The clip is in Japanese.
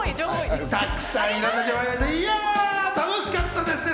いや、楽しかったですね。